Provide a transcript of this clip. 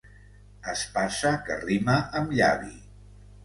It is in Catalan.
Espasa que rima amb llavi.